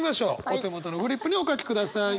お手元のフリップにお書きください。